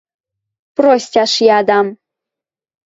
— Простяш ядам...